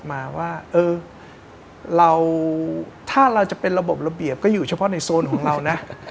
มาว่าเออเราท่าจะเป็นระบบระเบียบอยู่เฉพาะในโซนของเมื่อ